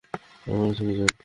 আমার কাছে কী চান?